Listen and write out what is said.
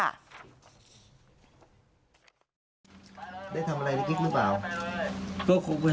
ได้ทำอะไรในกิ๊กหรือเปล่า